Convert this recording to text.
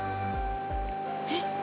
えっ？